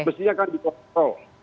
mestinya kan dikontrol